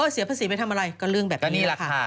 เสียภาษีไปทำอะไรก็เรื่องแบบนี้แหละค่ะ